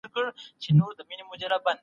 زغم او حوصله د ټولنیز ژوند اصول دي.